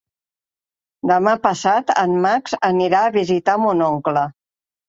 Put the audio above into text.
Demà passat en Max anirà a visitar mon oncle.